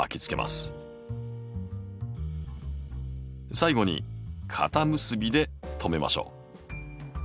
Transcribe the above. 最後に固結びで留めましょう。